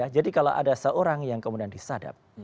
jadi kalau ada seorang yang kemudian disadap